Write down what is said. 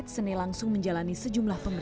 sebelumnya udah ini udah enam bulan